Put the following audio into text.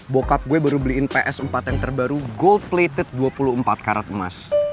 bokap gue baru beliin ps empat yang terbaru gold plated dua puluh empat karat emas